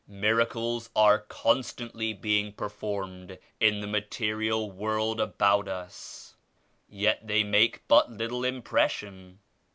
"Mir acles are constantly being performed in the ma terial world about us, yet they make but little impression.